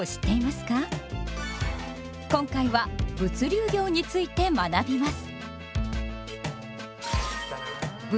今回は「物流業」について学びます。